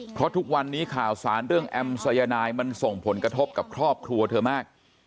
เพราะทุกวันนี้ข่าวสารเรื่องแอมสายนายมันส่งผลกระทบกับครอบครัวเธอมาก